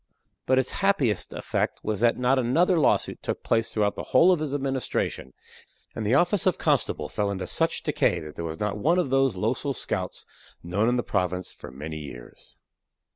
But its happiest effect was that not another lawsuit took place throughout the whole of his administration; and the office of constable fell into such decay that there was not one of those losel scouts known in the province for many years.